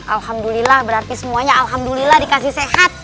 alhamdulillah berarti semuanya alhamdulillah dikasih sehat